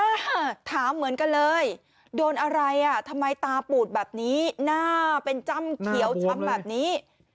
ถามเหมือนกันเลยโดนอะไรอ่ะทำไมตาปูดแบบนี้หน้าเป็นจ้ำเขียวช้ำแบบนี้